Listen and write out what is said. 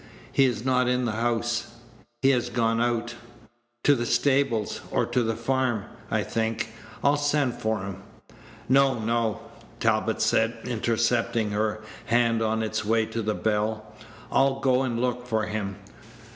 "He is not in the house; he has gone out to the stables or to the farm, I think. I'll send for him." "No, no," Talbot said, intercepting her hand on its way to the bell. "I'll go and look for him.